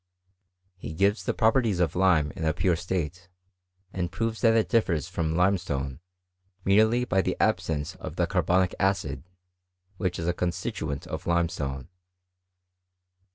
He gives the properties of Hme in a pure state, and proves that it differs from lime stone merely by the absence of the carbonic acid, which is a constituent of limestone.